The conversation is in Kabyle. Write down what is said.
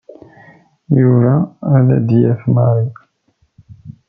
Yuba ad d-yaf Mary.